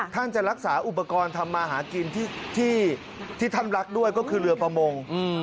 ท่านจะรักษาอุปกรณ์ทำมาหากินที่ท่านรักด้วยก็คือเรือประมง